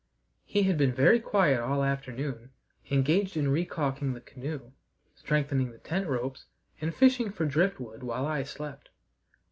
He had been very quiet all the afternoon, engaged in re caulking the canoe, strengthening the tent ropes, and fishing for driftwood while I slept.